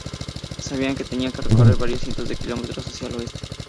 Sabían que tenían que recorrer varios cientos de kilómetros hacia el oeste.